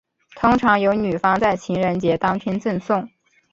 通常由女方在情人节当天赠送。